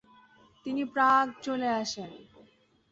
তিনি প্রাগ চলে আসেন।